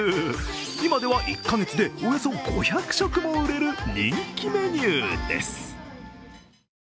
今では１か月でおよそ５００食も売れる人気メニューです。